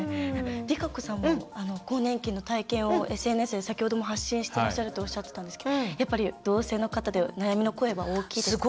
ＲＩＫＡＣＯさんも更年期の体験をＳＮＳで先ほども発信してらっしゃるとおっしゃってたんですけどやっぱり同性の方で悩みの声は大きいですか？